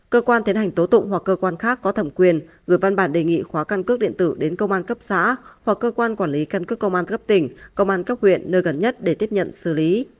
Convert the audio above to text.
cơ quan tiến hành tố tụng hoặc cơ quan khác có thẩm quyền gửi văn bản đề nghị khóa căn cước điện tử đến công an cấp xã hoặc cơ quan quản lý căn cước công an cấp tỉnh công an cấp huyện nơi gần nhất để tiếp nhận xử lý